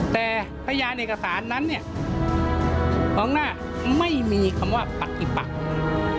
แต่พยานเอกสารนั้นของน่าไม่มีคำว่าปฏิบัติ